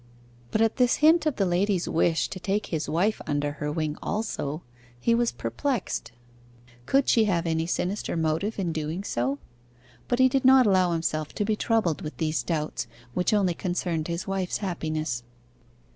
But at this hint of the lady's wish to take his wife under her wing also, he was perplexed: could she have any sinister motive in doing so? But he did not allow himself to be troubled with these doubts, which only concerned his wife's happiness.